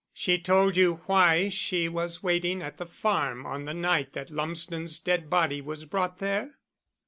"She told you why she was waiting at the farm on the night that Lumsden's dead body was brought there?"